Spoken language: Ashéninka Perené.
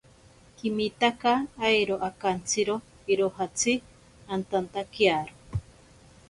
Kimitaka airo akantsiro irojatsi antantakiaro.